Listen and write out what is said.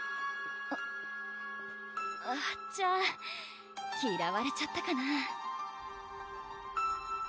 あちゃーきらわれちゃったかな？